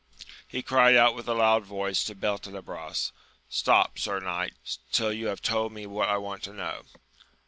He cried out with a loud voice to Beltenebros, Stop, sir knight, till you have told me what I want to know